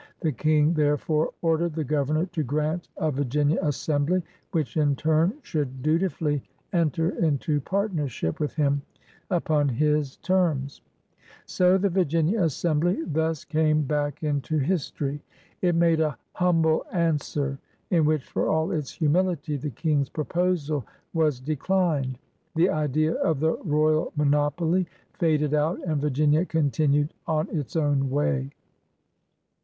The King therefore ordered the Governor to grant a Virginia Assembly, which in turn should duti fully enter into partnership with him — upon his terms. So the Virginia Assembly thus came back BOYAL GOVEBNMENT 111 into history. It made a Humble Anstoere in whi(di> for all its humility, the King's proposal was de clined. The idea of the royal monopoly faded out, and Virginia continued on its own way.